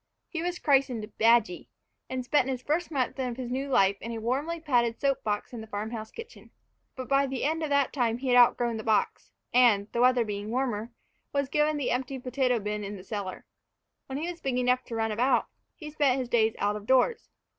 He was christened "Badgy," and spent the first month of his new life in a warmly padded soap box in the farm house kitchen. But by the end of that time he had outgrown the box, and, the weather being warmer, was given the empty potato bin in the cellar. When he was big enough to run about, he spent his days out of doors.